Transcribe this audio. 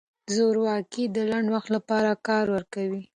زورواکي د لنډ وخت لپاره کار ورکوي.